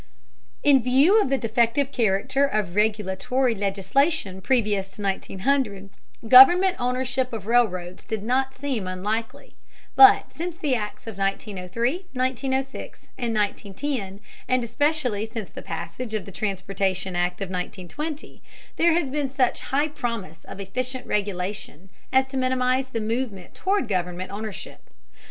In view of the defective character of regulatory legislation previous to 1900, government ownership of railroads did not seem unlikely. But since the acts of 1903, 1906, and 1910, and especially since the passage of the Transportation Act of 1920, there has been such high promise of efficient regulation as to minimize the movement toward government ownership.